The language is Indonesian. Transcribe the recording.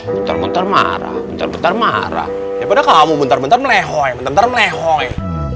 bentar bentar marah bentar bentar marah ya pada kamu bentar bentar melehoi bentar bentar melehoi